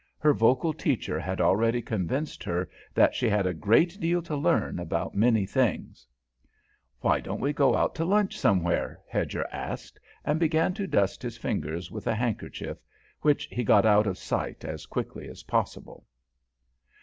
Her vocal teacher had already convinced her that she had a great deal to learn about many things. "Why don't we go out to lunch somewhere?" Hedger asked, and began to dust his fingers with a handkerchief which he got out of sight as swiftly as possible.